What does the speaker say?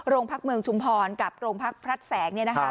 โรงพักเมืองชุมพรกับโรงพักพลัดแสง